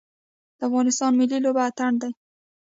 د افغانستان ملي لوبه اتن دی